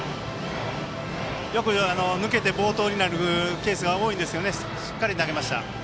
よく抜けて暴投になるケースが多いんですがしっかり投げました。